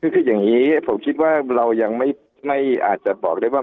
คืออย่างนี้ผมคิดว่าเรายังไม่อาจจะบอกได้ว่า